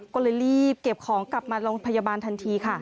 ก็เลยรีบเก็บของกลับมาโรงพยาบาลทันทีค่ะ